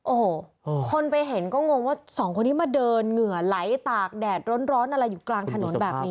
โอ้โหคนไปเห็นก็งงว่าสองคนนี้มาเดินเหงื่อไหลตากแดดร้อนอะไรอยู่กลางถนนแบบนี้